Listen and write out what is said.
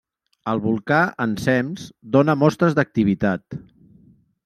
El volcà, ensems, dóna mostres d'activitat.